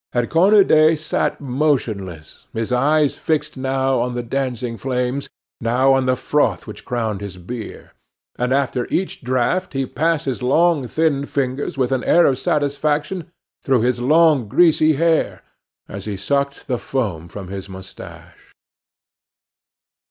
And Cornudet sat motionless, his eyes fixed now on the dancing flames, now on the froth which crowned his beer; and after each draught he passed his long, thin fingers with an air of satisfaction through his long, greasy hair, as he sucked the foam from his mustache.